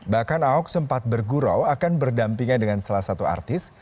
bahkan ahok sempat bergurau akan berdampingan dengan salah satu artis